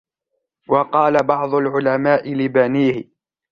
وَقَالَ بَعْضُ الْعُلَمَاءِ لِبَنِيهِ